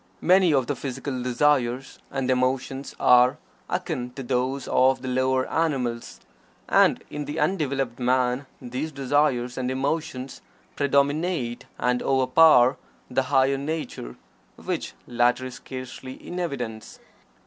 Many of the physical desires and emotions are akin to those of the lower animals, and in the undeveloped man these desires and emotions predominate and overpower the higher nature, which latter is scarcely in evidence.